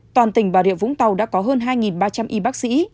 toàn tỉnh bà rịa vũng tàu đã có hơn hai ba trăm linh y bác sĩ